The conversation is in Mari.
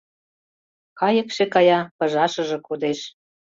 Кайыкше кая — пыжашыже кодеш.